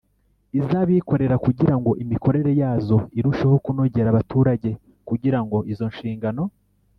iz abikorera kugira ngo imikorere yazo irusheho kunogera abaturage Kugira ngo izo nshingano